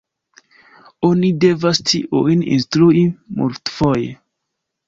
Oni devas tiujn instrui multfoje.